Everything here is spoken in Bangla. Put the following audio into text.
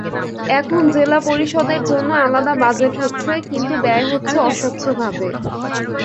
এখন জেলা পরিষদের জন্য আলাদা বাজেট হচ্ছে, কিন্তু ব্যয় হচ্ছে অস্বচ্ছভাবে।